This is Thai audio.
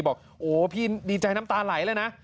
บอกโอ้พี่ดีใจน้ำตาไหลเลยนะ